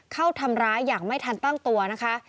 เข้าทำร้ายอย่างไม่ทันตั้งตัวนะคะ